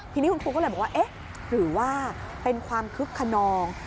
ทีนี้คุณครูก็เลยบอกว่าเอ๊ะหรือว่าเป็นความคึกขนอง